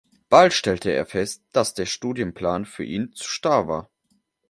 Bald stellte er fest, dass der Studienplan für ihn zu starr war.